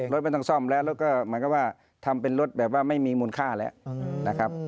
ไม่ต้องซ่อมแล้วแล้วก็เหมือนกับว่าทำเป็นรถแบบว่าไม่มีมูลค่าแล้วนะครับ